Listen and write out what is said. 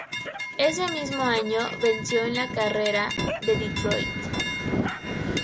Ese mismo año, venció en la carrera de Detroit.